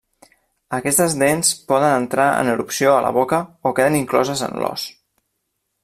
Aquestes dents poden entrar en erupció a la boca o queden incloses en l'os.